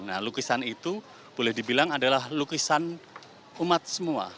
nah lukisan itu boleh dibilang adalah lukisan umat semua